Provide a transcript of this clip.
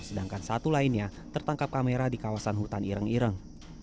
sedangkan satu lainnya tertangkap kamera di kawasan hutan ireng ireng